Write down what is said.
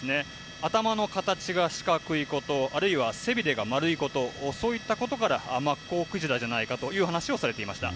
頭の形が四角いことあるいは背びれが丸いことそういったことからマッコウクジラではないかという話をされていました。